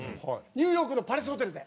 ニューヨークのプラザホテルで。